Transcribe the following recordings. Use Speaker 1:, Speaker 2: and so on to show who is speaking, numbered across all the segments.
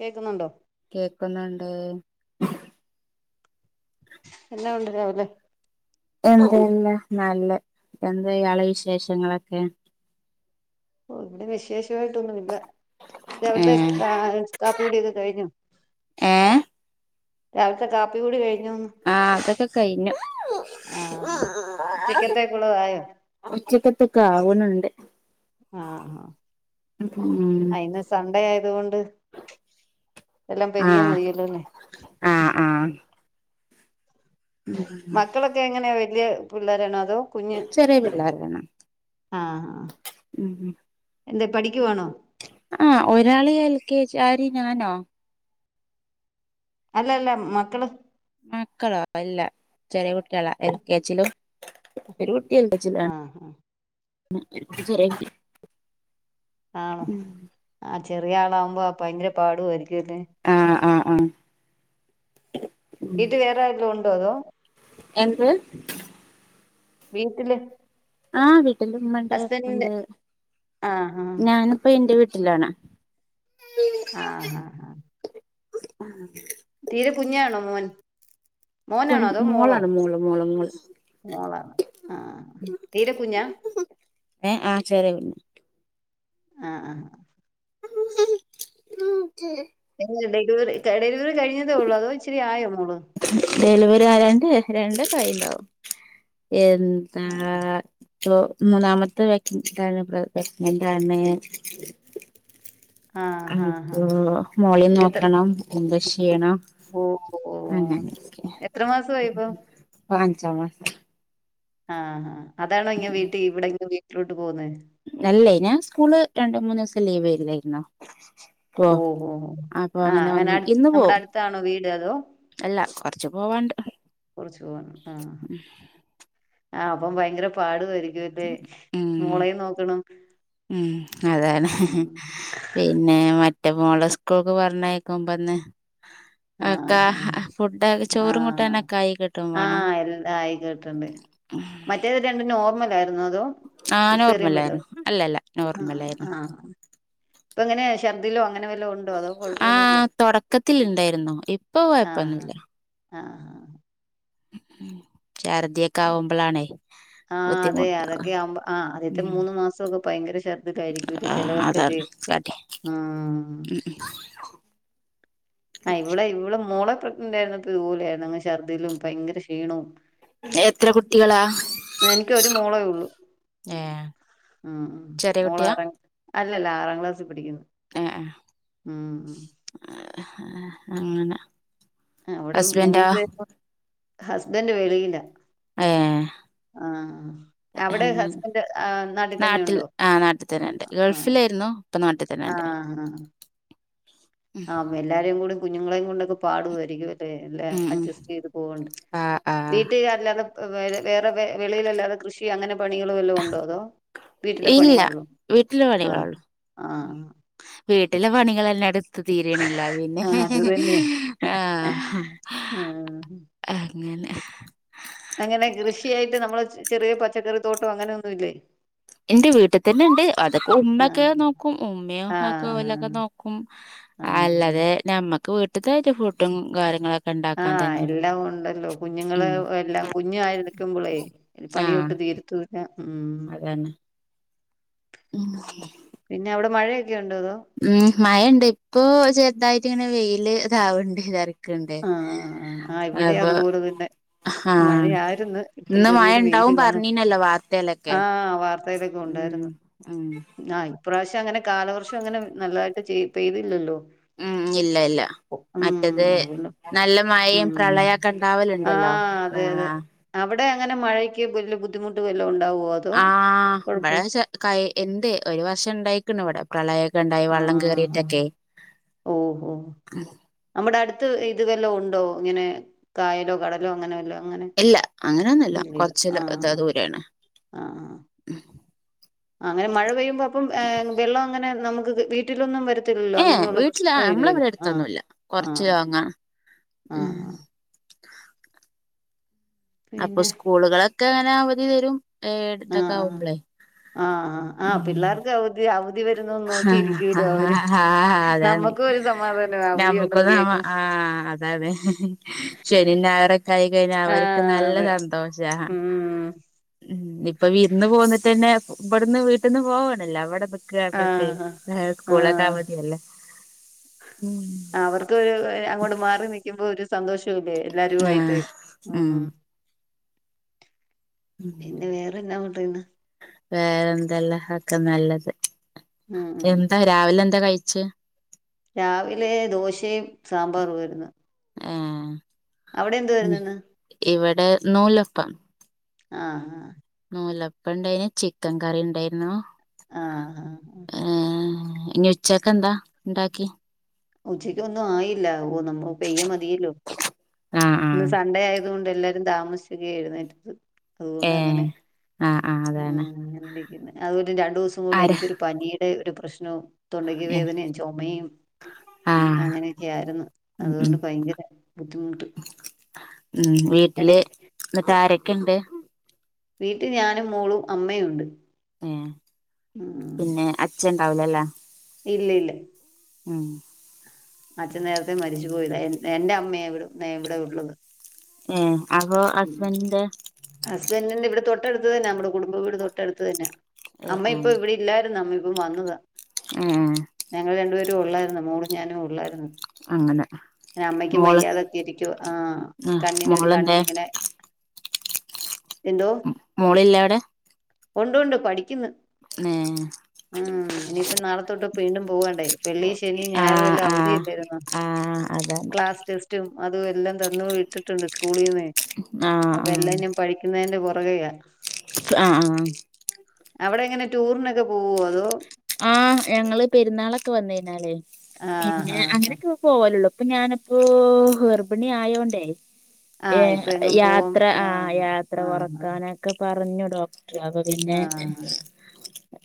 Speaker 1: കേക്കുന്നുണ്ടോ?
Speaker 2: കേക്കുന്ന്ണ്ട്.
Speaker 1: എന്നാ ഉണ്ട് രാവിലെ?
Speaker 2: എന്തെന്ന് നല്ലത്. എന്താ ഇയാളെ വിശേഷങ്ങളെക്കെ?
Speaker 1: ഓഹ് ഇവ്ടെ വിശേഷവായിട്ടൊന്നും ഇല്ല. ദേ
Speaker 2: ഏ
Speaker 1: അവിട്ത്തെ ആഹ് കാപ്പി കൂടിയൊക്കെ കഴിഞ്ഞു.
Speaker 2: ഏ
Speaker 1: രാവില്ത്തെ കാപ്പി കുടി കഴിഞ്ഞോന്ന്.
Speaker 2: ആഹ് അതൊക്കെ കയ്ഞ്ഞു.
Speaker 1: ആഹ് ഉച്ചക്കത്തേക്കുള്ളതായോ
Speaker 2: ഉച്ചക്കത്തൊക്കാവ്ണ് ണ്ട്.
Speaker 1: ആഹ് ആഹ്.
Speaker 2: ഉം ഊം.
Speaker 1: ആഹ് ഇന്ന് സൺണ്ടേ ആയത് കൊണ്ട് എല്ലാം പെരിയെ മതിയല്ലോ അല്ലേ?
Speaker 2: ആഹ് ആഹ്. ഉം.
Speaker 1: ത്തേ എങ്ങനെ വല്ല്യ പിള്ളേരാണോ അതോ, കുഞ്ഞ്
Speaker 2: ചെറിയ പിള്ളേരാണ്
Speaker 1: ആഹ് ആഹ്
Speaker 2: ഉം ഉം
Speaker 1: എന്തെ പഠിക്കുവാണോ
Speaker 2: ആഹ് ഒരാള് എൽ കെ ജി ആര് ഞാനോ
Speaker 1: അല്ലല്ല മക്കള്.
Speaker 2: മക്കളോ അല്ല ചെറ്യേ കുട്ടേളാ എൽ കേജിലും. ഒരു കുട്ടി എൽ കെ ജി ലാണ്
Speaker 1: ആഹ്
Speaker 2: ചെറ്യേ കുട്ടി.
Speaker 1: ആണോ ആഹ് ചെറിയ ആളാവുമ്പോ ഭയങ്കര പാടുവായിരിക്കുലെ
Speaker 2: ആഹ് ആഹ് ആഹ്.
Speaker 1: വീട്ടി വേറെ ആര്തോ ഉണ്ടോ അതോ
Speaker 2: എന്ത്?
Speaker 1: വീട്ടില്.
Speaker 2: ആഹ് വീട്ടില് ഇമ്മണ്ട്
Speaker 1: ഹസ്ബൻഡിന്റെ
Speaker 2: ഇപ്പണ്ട്
Speaker 1: ആഹ്
Speaker 2: ഞാനിപ്പ ഇന്റെ വീട്ടിലാണ്.
Speaker 1: ആഹ് ആഹ് ആഹ്.
Speaker 2: ആഹ്.
Speaker 1: തീരെ കുഞ്ഞാണോ മോൻ? മോനാണോ അതോ മോളോ
Speaker 2: മോളാണ് മോള് മോള് മോള്
Speaker 1: മോളാണ് ആഹ് തീരെ കുഞ്ഞാ.
Speaker 2: ഏഹ് ആഹ് ചെറ്യേ കുഞ്ഞ്
Speaker 1: ആഹ് ആഹ്.
Speaker 2: [unintelligible]
Speaker 1: ഡെലിവറി ക ഡെലിവറി കഴിഞ്ഞതേ ഒള്ളൂ അതോ ഇച്ചിരി ആയോ മോള്
Speaker 2: ഡെലിവറി ആയാണ്ട് രണ്ടൊക്കെ ആയിണ്ടാവും എന്താ
Speaker 1: ആഹ്
Speaker 2: പ്പൊ മൂന്നാമത്തെ വ [unintelligible] എന്താണ് പ്രെഗ്നെന്റാണ്.
Speaker 1: ആഹ് ആഹ്
Speaker 2: അപ്പൊ
Speaker 1: ആഹ്
Speaker 2: മോളീം
Speaker 1: എത്ര
Speaker 2: നോക്കണം എന്താ ഷീണം
Speaker 1: ഓഹ് ഓഹ്
Speaker 2: അങ്ങനനൊക്കെ
Speaker 1: എത്ര മാസമായി ഇപ്പം
Speaker 2: ഇപ്പൊ അഞ്ചാം മാസം.
Speaker 1: ആഹ് അതാണോ ഇങ്ങ വീട്ടി ഇവിടെ ഇങ്ങ് വീട്ടിലോട്ട് പോന്നെ
Speaker 2: അല്ലേയ് ഞാൻ സ്കൂള് രണ്ട് മൂന്ന്സം ലീവ് ല്ലായിരുന്നോ?
Speaker 1: ഓഹോ ആഹ് അങ്ങനെ
Speaker 2: വന്ന് ഇന്ന്
Speaker 1: നമ്മുടെ
Speaker 2: പോവും
Speaker 1: അടുത്താണോ വീട് അതോ.
Speaker 2: അല്ല കൊറച്ച് പോവാണ്ട്.
Speaker 1: കൊറച്ച് പോണോ ആഹ്. ആഹ് അപ്പം ഭയങ്കര പാടു വായിയിരിക്കുംലെ
Speaker 2: ഉം
Speaker 1: മോളേം നോക്കണം.
Speaker 2: ഉം അതന്നെ.
Speaker 1: ഉം
Speaker 2: പിന്നെ മറ്റേ മോളെ സ്കൂക്ക് പറഞ്ഞയക്കുമ്പന്നെ. അക്കാ
Speaker 1: ആഹ് ആഹ്
Speaker 2: ഫുഡ് ചോറും
Speaker 1: ആഹ്
Speaker 2: കൂട്ടാനൊക്കെ ആയി കിട്ടും വാണം.
Speaker 1: ആഹ് എല്ലാം ആയി കേട്ടുണ്ട്
Speaker 2: ഉം.
Speaker 1: മറ്റേത് രണ്ട് നോർമലായിരുന്നോ അതോ സിസെറിയം
Speaker 2: നോർമലായിരുന്നു
Speaker 1: വല്ലതും
Speaker 2: അല്ലല്ല
Speaker 1: ആഹ്
Speaker 2: നോർമലായിരുന്നു
Speaker 1: ആഹ് ഇപ്പ എങ്ങനെ ശർദിലോ അങ്ങന വല്ല വു
Speaker 2: ആഹ് തൊടക്കത്തില്ണ്ടേരുന്നു ഇപ്പൊ കൊയപ്പോന്നുല്ല.
Speaker 1: ആഹ്
Speaker 2: ഉം ശർദ്യൊക്കെ ആവുമ്പളാണേയ്
Speaker 1: ആഹ് അതെ അതൊക്കെ ആവുമ്പ ആഹ് അതെ അതൊക്കെ ആവുമ്പോ അദ്യത്തെ
Speaker 2: ഉം
Speaker 1: മൂന്ന് മാസമൊക്കെ ഭയങ്കര ശർദിയൊക്കെ ആയിരിക്കുലെ
Speaker 2: ആ
Speaker 1: ചെലവർക്കൊക്കെയ്. ആഹ്.
Speaker 2: ഉം.
Speaker 1: ആഹ് ഇവളെ ഇവളെ മോളെ പ്രെഗ്നന്റായിരുന്നപ്പോ ഇതുപോലെരുന്നു അങ്ങ് ശർദിലും ഭയങ്കര ക്ഷീണോം.
Speaker 2: എത്ര കുട്ടികളാ
Speaker 1: എനക് ഒരു മോളേ ഒള്ളു.
Speaker 2: ഏ
Speaker 1: ഉം ഉം
Speaker 2: ചെറിയ കുട്ടിയാ
Speaker 1: മോളവടെ അല്ലല്ല ആറാം ക്ലാസ്സിൽ പഠിക്കുന്നു
Speaker 2: ഏ
Speaker 1: ഉം ഉം.
Speaker 2: അങ്ങനെ.
Speaker 1: അവടെ
Speaker 2: ഹസ്ബൻഡോ
Speaker 1: മൂന്ന് പേരും ഹസ്ബന്റ് വെളിയില.
Speaker 2: അയേ
Speaker 1: ആഹ് അവടെ ഹസ്ബൻഡ് ആഹ് നാട്ടി തന്നെ
Speaker 2: നാട്ടിൽ
Speaker 1: ഉണ്ടോ ആഹ്.
Speaker 2: ഇപ്പ നാട്ടിതന്നെ.
Speaker 1: ആഹ് ആഹ്
Speaker 2: ഉം
Speaker 1: ആ എല്ലാരും കൂടി കുഞ്ഞുങ്ങളെയും കൊണ്ടൊക്കെ പാടുവായിരിക്കും ട്ട് ല്ലെ
Speaker 2: ഉം
Speaker 1: അഡ്ജസ്റ്റൈയ്ത് പോവ്ണ്ട്
Speaker 2: ആ ആ
Speaker 1: വീട്ടിലെല്ലാ വേറെ വേറെ വെ വെളിയിലല്ലാതെ കൃഷി അങ്ങനെ പണികള് വല്ലോം ഉണ്ടോ അതോ വീട്ടിലെ
Speaker 2: ഇല്ല
Speaker 1: പണിയൊള്ളു
Speaker 2: വീട്ടിലെ
Speaker 1: ആഹ്
Speaker 2: പണികളൊള്ളു
Speaker 1: ആഹ്
Speaker 2: വീട്ടിലെ പണികളെല്ലാം എടുത്ത് തീര്ണില്ലാ പിന്നെ
Speaker 1: ആ അത് തന്നെ
Speaker 2: ആ
Speaker 1: ആ
Speaker 2: അങ്ങനെ
Speaker 1: അങ്ങനെ കൃഷിയായിട്ട് നമ്മള് ചെറിയ പച്ചക്കറി തോട്ടം അങ്ങനെയൊന്നുല്ലേ
Speaker 2: എന്റെ വീട്ടിതന്നെണ്ട് അതൊക്കെ
Speaker 1: ആ
Speaker 2: ഉമ്മക്കെ നോക്കും ഉമ്മേം ഹഗും ഒലൊക്കെ നോക്കും
Speaker 1: ആഹ്
Speaker 2: അല്ലാതെ ഞമ്മക്ക് വീട്ട്ക്കായിട്ട് ഫുഡും കാര്യങ്ങള
Speaker 1: ആഹ് എല്ലാം ഉണ്ടല്ലോ കുഞ്ഞുങ്ങള്
Speaker 2: ഉം
Speaker 1: എല്ലാം കുഞ്ഞ് ആയിരിക്കുമ്പളേ
Speaker 2: ആഹ്
Speaker 1: പണിയൊട്ടും തീരത്തുല്ലാ ഉം
Speaker 2: അതന്നെ ഉം
Speaker 1: പിന്നെ അവടെ മഴയൊക്കെ ഉണ്ടോ അതോ
Speaker 2: ഉം മഴണ്ട് ഇപ്പൊ ചെറുതായിട്ട് ഇങ്ങനെ വെയില് ഇതാവ്ണ്ട് ഏതാലും ക്ക്ണ്ടെ
Speaker 1: ആഹ് ആഹ് ആഹ് ഇവിടെ
Speaker 2: അപോ
Speaker 1: അതുപോലെ തന്നെ
Speaker 2: ആഹാ
Speaker 1: മഴയായിരുന്നു ഇപ്പം
Speaker 2: ഇന്ന്
Speaker 1: ചെറിയൊരു വെയില്
Speaker 2: മഴണ്ടാവും
Speaker 1: കാണും
Speaker 2: പറഞ്ഞീനല്ലോ വാർത്തേലൊക്കെ
Speaker 1: ആഹ് വാർത്തയിലൊക്കെ
Speaker 2: ഉം
Speaker 1: ഉണ്ടായിരുന്നു
Speaker 2: ഉം
Speaker 1: ആഹ് ഇപ്രാവശ്യം അങ്ങനെ കാലവർഷം അങ്ങനെ നല്ലതായിട്ട് പെയ് പെയ്തില്ലല്ലോ
Speaker 2: ഉം ഇല്ല ഇല്ല
Speaker 1: ഉം
Speaker 2: മറ്റത്
Speaker 1: അതുകൊണ്ടും
Speaker 2: നല്ല മഴയും
Speaker 1: ഉം
Speaker 2: പ്രളയൊക്കെ ഇണ്ടാവല്ണ്ടല്ലോ ആഹ്
Speaker 1: അവടെ അങ്ങനെ മഴക്ക് വല്ല ബുദ്ധിമുട്ട് വല്ലോ ഉണ്ടാവോ അ
Speaker 2: ആഹ് ഇവടെച കൈ എന്തേ ഒരു വർഷം ഇണ്ടായി ക്ക്ണ്ട്ഇവടെ പ്രളയൊക്കെ ഇണ്ടായി വള്ളം
Speaker 1: ആഹ്
Speaker 2: കേറിയിട്ടൊക്കെ
Speaker 1: നമ്മടെ അടുത്ത് ഇത് വല്ലോം ഉണ്ടോ ഇങ്ങനെ കായലോ കടലോ അങ്ങനെ വല്ലോ അങ്ങനെ
Speaker 2: ഇല്ല അങ്ങനൊന്നുല്ല
Speaker 1: ഇല്ലല്ല
Speaker 2: കൊറച്ച് ല അതാ ദൂരെണ്
Speaker 1: ആഹ് ആഹ് അങ്ങനെ മഴപെയ്യുമ്പോ അപ്പം വെള്ളങ്ങനെ നമുക്ക് വീട്ടിലൊന്നും വര ത്തില്ലല്ലോ
Speaker 2: ഏഹ്
Speaker 1: അങ്ങനെയുള്ള
Speaker 2: വീട്ടില
Speaker 1: പ്രശ്നോ
Speaker 2: നമ്മള
Speaker 1: ഇല്ലല്ലോ
Speaker 2: ഇവിടെ
Speaker 1: ആഹ്
Speaker 2: അടുത്തൊന്നുല്ല കൊറച്ച്
Speaker 1: ആഹ്
Speaker 2: ലോങ്ങാണ് ഉം
Speaker 1: ആഹ്
Speaker 2: അപ്പൊ
Speaker 1: പിന്നെ
Speaker 2: സ്കൂളുകളൊക്കെ അങ്ങനെ അവധി തരും അത്
Speaker 1: ആഹ്
Speaker 2: എട്ത്തൊക്കെ
Speaker 1: ആഹ്
Speaker 2: ആവുമ്പളെ
Speaker 1: ആഹ് ആഹ് ആഹ്
Speaker 2: ഉം
Speaker 1: പിള്ളേർക്ക് അവധി അവധി വരുന്നോന്ന് നോക്കിയിരിക്കൂലോ അവര്
Speaker 2: ആഹ് അതാണ്
Speaker 1: നമ്മുക്കും ഒരു സമാധാനം അവധി
Speaker 2: ഞമ്മ
Speaker 1: ഉണ്ടെന്ന്
Speaker 2: [unintelligible]
Speaker 1: കേൾക്കും
Speaker 2: ആ അതാണ് ശനിം ഞായറക്കായി കഴിഞ്ഞാൽ അവര്ക്ക്
Speaker 1: ആഹ് അതെ
Speaker 2: നല്ലതാണ്
Speaker 1: ഉം
Speaker 2: ഉം ഇപ്പൊ വിരുന്ന് പോന്നിട്ടന്നെ ഇവിടുന്ന് വീട്ട്ന്ന് പോവണല്ലോ അവടെപൊ നിക്കാ പർഞ്ഞിട്ടെയ്
Speaker 1: ആഹ്
Speaker 2: ഹെ സ്കൂളൊക്കെ
Speaker 1: ആഹ്
Speaker 2: അവധിയല്ലേ ഉം
Speaker 1: അവർക്ക് ഒരു എഹ് അങ്ങോട്ട് മാറി നിക്കുമ്പോ ഒരു സന്തോഷല്ലേ എല്ലാരു ആയിട്ട്
Speaker 2: ആഹ്
Speaker 1: ഉം പിന്നെ വേറെന്നാ പറയ്ന്ന്
Speaker 2: വേറെ എന്തെല്ലാ ഒക്ക നല്ലത്
Speaker 1: ഉം ഉം
Speaker 2: എന്താ രാവിലെന്താ കഴിച്ചേ
Speaker 1: രാവിലെ ദോശയും സാമ്പാറുവാര്ന്നു
Speaker 2: ആഹ്
Speaker 1: അവിടെ എന്തുവാ ഇന്നിന്ന്
Speaker 2: ഇവടെ നൂലപ്പം
Speaker 1: ആ ഹാ
Speaker 2: നൂലപ്പണ്ടേനി ചിക്കൻ കറിണ്ടേയിരുന്നു
Speaker 1: ആ ആ.
Speaker 2: ഏഹ് ഞ്ഞി ഉച്ചക്കെന്താ ണ്ടാക്കി
Speaker 1: ഉച്ചക്കൊന്നും ആയില്ല, ഓ നമ്മ പെയ്യ മതിയല്ലോ
Speaker 2: ആഹ്
Speaker 1: ഇന്ന്
Speaker 2: ആഹ്
Speaker 1: സൺഡേ ആയ തോണ്ട് എല്ലാരും താമസിച്ചൊക്കേ എഴുന്നേറ്റത് അതുകൊണ്ട് അങ്ങനെ
Speaker 2: ഏഹ് ആഹ് അതാണ്
Speaker 1: ആഹ് അങ്ങനെരിക്കുന്നു, അതുകൊണ്ട് രണ്ട് ദിവസം കൊണ്ട്
Speaker 2: ആരാ
Speaker 1: എനിക്കൊരു പനി ടെ ഒരു പ്രശ്നം തൊണ്ടകി
Speaker 2: ഏഹ്
Speaker 1: വേദനയും ചൊമയും
Speaker 2: ആഹ്
Speaker 1: അങ്ങനെയൊക്കെയാരുന്നു.
Speaker 2: ഉം
Speaker 1: അത്
Speaker 2: ഉം
Speaker 1: കൊണ്ട് ഭയങ്കര ബുദ്ധിമുട്ട്
Speaker 2: ഉം. വീട്ടില്
Speaker 1: ഇടയ്ക്ക്
Speaker 2: ന്നട്ടാരൊക്കെണ്ട്
Speaker 1: വീട്ടിൽ ഞാനും മോളും അമ്മയുംഉണ്ട് ഉം
Speaker 2: പിന്നേ അച്ഛണ്ടാവൂലല്ലെ
Speaker 1: ഇല്ലി ഇല്ല
Speaker 2: ഉം
Speaker 1: അച്ഛൻ നേരത്തെ മരിച്ചു പോയതാ, എൻ എന്റെ അമ്മയാ ഇവിട ഇവിടെ ഉള്ളത്
Speaker 2: ഏഹ് അപ്പോ ഹസ്ബൻഡിന്റെ
Speaker 1: ഹസ്ബന്റിന്റെ ഇവിടെ തൊട്ടടുത്ത് തന്നാ. നമ്മുടെ കുടുംബവീട് തൊട്ടടുത്ത് തന്നാ.
Speaker 2: ഏഹ്
Speaker 1: അമ്മ ഇപ്പൊ ഇവര് ഇല്ലായിരുന്നു അമ്മ ഇപ്പം വന്നതാ
Speaker 2: ഉം
Speaker 1: ഞങ്ങള് രണ്ടുപേരും ഒള്ളായിരുന്നു. മോളും ഞാനും ഒള്ളായിരുന്നു
Speaker 2: അങ്ങനെ
Speaker 1: പിന്നമ്മയ്ക്കും
Speaker 2: മോള്
Speaker 1: വയ്യാതൊക്കെ ഇരിക്കുവാ, ആഹ് കണ്ണിന് ഒരു കണ്ണിനിങ്ങനെ എന്തോ,
Speaker 2: മോളില്ലേ അവിടെ
Speaker 1: ഒണ്ട്ണ്ട് പഠിക്ക്ന്ന്
Speaker 2: ന്നേ..
Speaker 1: ഉം ഇനിയിപ്പം നാളെത്തൊട്ട് പീണ്ടും പോവണ്ടേ, വെള്ളി ശനി ഞായറു
Speaker 2: ആഹ്
Speaker 1: എല്ലാം അവ ധി
Speaker 2: ആഹ്
Speaker 1: യെല്ലായിരുന്നോ.
Speaker 2: ആഹ് അതാണ്
Speaker 1: ക്ലാസ് ടെസ് റ്റും അതു എല്ലാം തന്ന് വിട്ടിട്ടുണ്ട് സ്കൂളിന്നേ
Speaker 2: ആഹ്
Speaker 1: അപ്പ
Speaker 2: ആഹ്
Speaker 1: എല്ലാഞ്ഞം പഠിക്കുന്നേന്റെ പൊറകയാ
Speaker 2: ആഹ് ആഹ് ആഹ്
Speaker 1: അവടെ എങ്ങനെ ടൂറിനൊക്കെ പോവോ അതോ
Speaker 2: ആഹ് ഞങ്ങള് പെരുന്നാളൊക്കെ വന്ന്കയ്ഞ്ഞാലേ
Speaker 1: ആഹ്
Speaker 2: പിന്നെ
Speaker 1: ആഹ്
Speaker 2: അങ്ങനൊക്കെ പോവും. പോവലൊള്ളു, പ്പ ഞാന്പ്പോ ഗർഭിണി ആയോണ്ടേ.. ഏ
Speaker 1: ആഹ് ഇപ്പൊ എങ്ങും പോവും
Speaker 2: യാത്ര ആഹ് യാത്ര
Speaker 1: ആഹ്
Speaker 2: കൊറക്കാന് ക്കെ പറഞ്ഞു ഡോക്ട്ർ, അപ്പപിന്നെ
Speaker 1: ആഹ്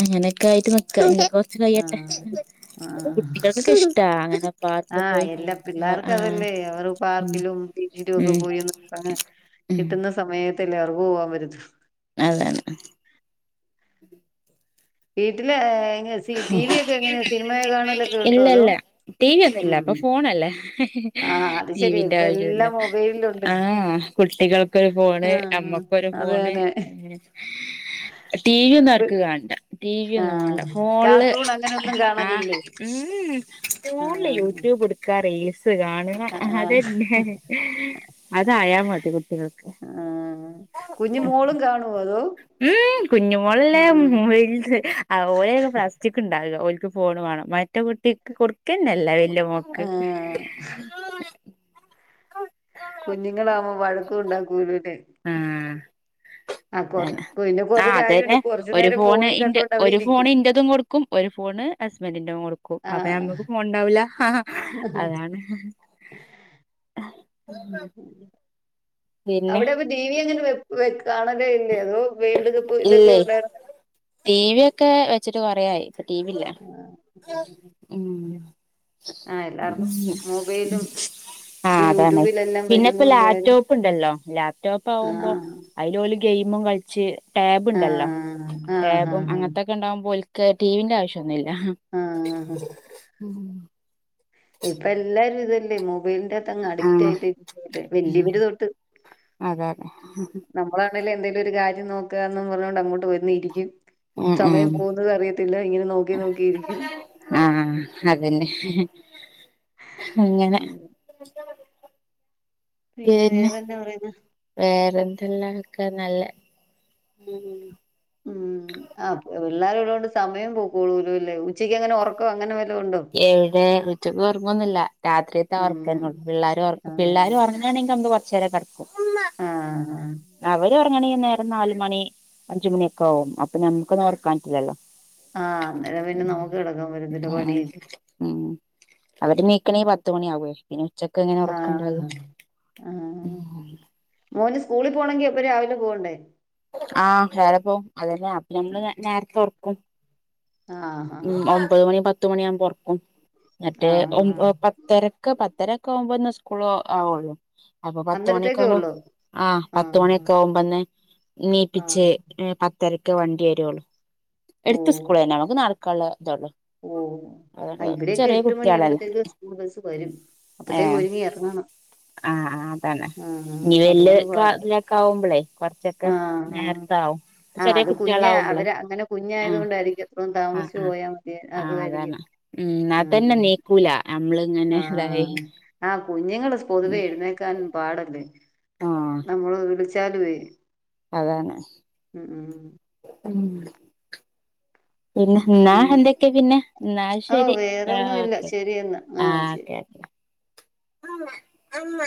Speaker 2: അങ്ങനെക്കായിട്ട് നിക്കാ, ഞ്ഞി കൊർച്ച് കയ്യട്ടെ,
Speaker 1: ആഹ് ആഹ്
Speaker 2: കുട്ടികൾക്കൊക്കെ ഇഷ്ടാ അങ്ങനെ പാർക്ക്
Speaker 1: ആഹ്
Speaker 2: പോയി
Speaker 1: എല്ലാം
Speaker 2: കളിക്ക ആ
Speaker 1: പിള്ളേർക്കതല്ലേ അവര്
Speaker 2: ഉം
Speaker 1: പാർക്കിലും ബീച്ചിലും ഒക്കെ
Speaker 2: ഉം
Speaker 1: പോയി നിക്കാന്
Speaker 2: ഉം
Speaker 1: കിട്ടുന്ന സമയത്തല്ലേ അവർക്ക് പോവാൻ പറ്റത്തൊ
Speaker 2: അതെന്നെ
Speaker 1: വീട്ടില് ഏഹ് ഉണ്ടോ
Speaker 2: ഇല്ല
Speaker 1: അതോ
Speaker 2: ല്ല ടി വി ഒന്നും ഇല്ല.
Speaker 1: ഉം
Speaker 2: പ്പൊ ഫോണല്ലേ,
Speaker 1: ആഹ് അത് ശരി
Speaker 2: ടിവിന്റെ
Speaker 1: ഇപ്പ
Speaker 2: ആവശ്യവില്ല
Speaker 1: എല്ലാം മൊബൈലിലുണ്ടല്ലോ
Speaker 2: ആഹ് കുട്ടികൾക്കൊരു ഫോണ്,
Speaker 1: ആഹ്
Speaker 2: അമ്മക്കൊരു ഫോണ്,
Speaker 1: അതെന്നെ
Speaker 2: ഏഹ് ടി വി ഒന്നും അവർക്ക് കാണണ്ട, ടി വി യൊന്നും വാണ്ട
Speaker 1: ആഹ്
Speaker 2: മോൾള്,
Speaker 1: കാർട്ടൂൺ അങ്ങനെയൊന്നും
Speaker 2: ആഹ്
Speaker 1: കാണലില്ലേ
Speaker 2: ഉം.. ഉം ഫോൺല്
Speaker 1: ആഹ്
Speaker 2: യൂട്യൂബ് ട് ക്ക റീൽസ് കാണാ,
Speaker 1: ആഹ്
Speaker 2: അതന്നെ അതായ മതി കുട്ടികൾക്ക്
Speaker 1: ആഹ് കുഞ്ഞി മോളും കാണുവോ അതോ
Speaker 2: ഉം കുഞ്ഞ് മോളല്ലേ മ്
Speaker 1: ഉം
Speaker 2: റീൽസ്, അവളേന്നു ഫസ് ഉച്ചക്ക് ഇണ്ടാകിക ഓൽക്ക് ഫോണ് വേണം മറ്റേ കുട്ടിക്ക് കൊടക്കന്നെ ഇല്ല വെല്ല്യ മോക്ക്
Speaker 1: ആഹ് കുഞ്ഞുങ്ങളാവുമ്പൊ വഴക്കും ഉണ്ടാക്കൂല്ലന്നേ
Speaker 2: ആഹ് അതന്നെ
Speaker 1: പിന്നെ കൊറെ
Speaker 2: ആഹ് അതന്നെ
Speaker 1: കാര്യമുണ്ട് കൊറച്ചു
Speaker 2: ഒരു
Speaker 1: നേരം
Speaker 2: ഫോണ്
Speaker 1: ഫോണും
Speaker 2: ഇന്റെ
Speaker 1: കണ്ടോണ്ട് അവിടെ
Speaker 2: ഒരു ഫോൺ
Speaker 1: ഇരിക്കും
Speaker 2: ഇന്റതും കൊടു ക്കും ഒരു ഫോണ് ഹസ്ബൻഡിന്റെ കൊടുക്കും അപ്പൊ
Speaker 1: ആഹ്
Speaker 2: ഞമ്മക്ക് ഫോണെണ്ടാവൂല്ല അതാണ് പിന്നെ
Speaker 1: അവിടെ അപ്പൊ ടി വി എങ്ങനെ വെപ് വെക് കാണലേ ഇല്ലേ അതോ വേൾഡ് കപ്പ് ഇതൊക്കെ
Speaker 2: ഇല്ലേ
Speaker 1: ഉണ്ടായിരുന്നോ
Speaker 2: ടി വി ഒക്കെ വെച്ചിട്ട് കൊറേയായി ഇപ്പ ടി വി ഇല്ല ഉം
Speaker 1: ആഹ് എല്ലാർക്കും
Speaker 2: ഉം
Speaker 1: മൊബൈലും
Speaker 2: ആഹ്
Speaker 1: ഇപ്പൊ
Speaker 2: അതാണ്
Speaker 1: യൂട്യൂബിലെല്ലാം
Speaker 2: പിന്നെ ഇപ്പൊ
Speaker 1: വരുന്നുണ്ടായാലും
Speaker 2: ലാപ്ടോപ്പ് ഇണ്ടല്ലൊ ലാപ്ടോപ്പ് ആവുമ്പൊ
Speaker 1: ആഹ്
Speaker 2: അയില് ഓല് ഗെയ്മും കളിച്ച് ടാബ് ഇണ്ടല്ലോ
Speaker 1: ആഹ് ആഹ്
Speaker 2: ടാബും
Speaker 1: ആഹ്
Speaker 2: അങ്ങനത്തെക്കെ ഇണ്ടാവുമ്പോൽ ക്ക് ടീ വിന്റെ ആവശ്യൊന്നുല്ല
Speaker 1: ആഹ് അഹ
Speaker 2: ഉം
Speaker 1: ഇപ്പ എല്ലാരും ഇതല്ലെ മൊബൈൽന്റ ത്തങ്ങ് അഡിക്റ്റ്
Speaker 2: ആഹ്
Speaker 1: ആയിട്ട്
Speaker 2: ഉം
Speaker 1: വല്ല്യവര് തൊട്ട്
Speaker 2: അതെ അതെ
Speaker 1: നമ്മളാണേലും എന്തേലും ഒരു കാര്യം നോക്കാന്നും പറഞ്ഞോണ്ട് അങ്ങോട്ട് പോയൊന്നിരിക്കും
Speaker 2: ഉം
Speaker 1: സമയം
Speaker 2: ഉം
Speaker 1: പോകുന്നത് അറിയത്തില്ല ഇങ്ങനെ നോക്കി നോക്കിയിരിക്കും
Speaker 2: ആഹ് അതന്നെ ഇങ്ങനെ
Speaker 1: ഉം. പിന്നെ വേറെന്താ പറയുന്നെ
Speaker 2: വേറെന്തെല്ലാക്ക നല്ലെ ഉം
Speaker 1: ഉം ആഹ് പിള്ളാരിള്ളോണ്ട് സമയം പോക്കോളൂല്ലേല്ലേ ഉച്ചയ്ക്കങ്ങനെ ഒറ ക്കോ അങ്ങനെ വല്ലതും ഉണ്ടോ
Speaker 2: എവിടേ ഉച്ചക്ക് ഒറൊങ്ങൊന്നുല്ല രാത്രീത്ത ആ ഒർക്കന്നേ
Speaker 1: ഉം
Speaker 2: ഒള്ളു പിള്ളാരെ
Speaker 1: ആ
Speaker 2: ഒറക്കും പിള്ളാര് ഒറ ങ്ങേണെങ്കി നമ്മള് കൊറച്ചേരം കെടക്കും
Speaker 1: ആ
Speaker 2: അവൻ ഒറങ്ങേണെങ്കി നേരം നാല് മണി അഞ്ച് മണിയൊക്കാവും അപ്പൊ നമുക്ക് ഒന്നും ഒറക്കാൻ പറ്റില്ലല്ലൊ
Speaker 1: ആഹ് അന്നേരം പിന്നെ നമുക്ക് കെടക്കാൻ പറ്റത്തില്ല
Speaker 2: ഉം
Speaker 1: പണിയല്ലെ
Speaker 2: ഉം അവര് എണീക്കണേ പത്ത്മണി ആവുവേ പിന്നെ ഉച്ചക്ക് എങ്ങനെ
Speaker 1: ആ
Speaker 2: ഒറക്കെണ്ടാക
Speaker 1: ആ മോന് സ്കൂളി പോണെങ്കി അപ്പം രാവിലെ പോവണ്ടേ
Speaker 2: ആഹ് രാവിലെ പോവും അതന്നെ അപ്പൊ നമ്മള് നെ നേരത്തെ ഒറക്കും
Speaker 1: ആ
Speaker 2: ഉം ഒമ്പത് മണി പത്ത് മണിയാവുമ്പൊ ഒറക്കും
Speaker 1: ആ ആ
Speaker 2: എന്നിട്ട് ഒമ്പ പ ത്തരക്ക് പത്തരക്ക ആവുമ്പോന്ന് സ്കൂള് ആ ആവുവൊള്ള് അപ്പൊ
Speaker 1: അന്നേരത്തേക്കേ
Speaker 2: പത്തുമണിക്കൊക്ക
Speaker 1: ഉള്ളൂ
Speaker 2: ആഹ്
Speaker 1: ആ
Speaker 2: പത്തുമണിയൊക്ക ആവുമ്പന്നെ
Speaker 1: ആ
Speaker 2: ഇണീപ്പിച്ച് പത്തരക്ക് വണ്ടി വരൊള്ള് എടുത്ത സ്കൂളന്നെ നമുക്ക് നടക്കാള്ള ഇതൊള്ള്
Speaker 1: ഓഹ് അഹ് ഇവിടെയൊക്കെ എട്ട്
Speaker 2: കുട്ടികളല്ലേ
Speaker 1: മണിയാമ്പത്തേക്ക് സ്കൂൾ ബസ് വരും അപ്പത്തേക്ക്
Speaker 2: ഏഹ്
Speaker 1: ഒരുങ്ങി എറങ്ങണം
Speaker 2: ആഹ് ആഹ് അതാണ് ഇനി വല്ല്യ
Speaker 1: അതുകൊണ്ട് പാടാ
Speaker 2: ക്ലാസ്സിലൊക്കെ ആവുമ്പളേ കൊറച്ചൊക്കെ
Speaker 1: ആഹ് ആഹ്
Speaker 2: നേരത്താവും
Speaker 1: ആഹ് അത് കുഞ്ഞ് അവര് അങ്ങനെ കുഞ്ഞായത്
Speaker 2: ആഹ്
Speaker 1: കൊണ്ടായിരിക്കും ഇപ്പം
Speaker 2: ആഹ്
Speaker 1: താമസിച്ചു
Speaker 2: ആഹ്
Speaker 1: പോയാമ
Speaker 2: ആഹ് അതാണ് ഉം എന്നാതന്നെ എണീക്കൂല നമ്മള്
Speaker 1: ആഹ് അഹ് കുഞ്ഞുങ്ങള് പൊതുവേ
Speaker 2: ഉം
Speaker 1: എഴുന്നേക്കാൻ പാടല്ലെ
Speaker 2: ആഹ്
Speaker 1: നമ്മള് വിളിച്ചാലുവേ
Speaker 2: അതാണ്
Speaker 1: ഉം ഉം
Speaker 2: ഉം പിന്നെ എന്നാ
Speaker 1: ഉം
Speaker 2: എന്തക്കെ പിന്നെ എന്നാ
Speaker 1: ഓ
Speaker 2: ശെരി ആഹ്
Speaker 1: വേറൊന്നും ഇല്ല
Speaker 2: ഓക്കെ
Speaker 1: ശരിയെന്നാ
Speaker 2: ആഹ്
Speaker 1: ശരി
Speaker 2: ഓക്കെ അമ്മ ആമ്മ